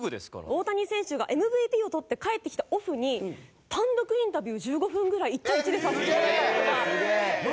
大谷選手がＭＶＰをとって帰ってきたオフに単独インタビュー１５分ぐらい１対１でさせていただいた事があって。